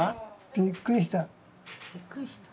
びっくりした。